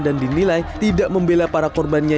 dan dinilai tidak membela para korbannya